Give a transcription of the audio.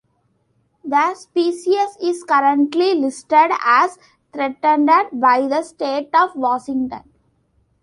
The species is currently listed as threatened by the state of Washington.